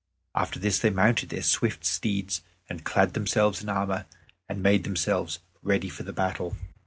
After this they mounted their swift steeds, and clad themselves in armor, and made themselves ready for the battle.